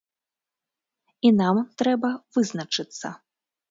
І нам трэба вызначыцца.